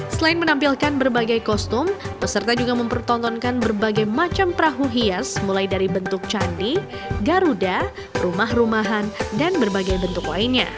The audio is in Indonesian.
selain menampilkan berbagai kostum peserta juga mempertontonkan berbagai macam perahu hias mulai dari bentuk candi garuda rumah rumahan dan berbagai bentuk lainnya